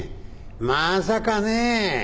まさかねぇ